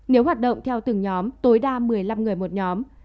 nếu hoạt động theo từng nhóm tối đa một mươi năm người một nhóm